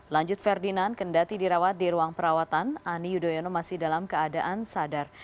lanjut ferdinand kendati dirawat di ruang perawatan ani yudhoyono masih dalam keadaan sadar